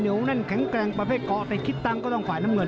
แน่นแข็งแกร่งประเภทเกาะแต่คิดตังค์ก็ต้องฝ่ายน้ำเงิน